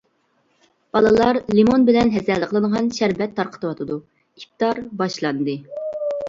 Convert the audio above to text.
بالىلار لىمون بىلەن ھەسەلدە قىلىنغان شەربەت تارقىتىۋاتىدۇ. ئىپتار باشلاندى.